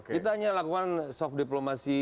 kita hanya lakukan soft diplomasi